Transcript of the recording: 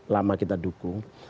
lama kita dukung